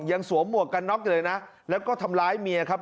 สวมหมวกกันน็อกอยู่เลยนะแล้วก็ทำร้ายเมียครับ